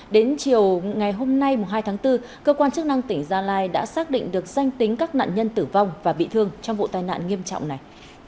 đến chiều ngày hôm nay hai tháng bốn cơ quan chức năng tỉnh gia lai đã xác định được danh tính các nạn nhân tử vong và bị thương trong vụ tai nạn nghiêm trọng này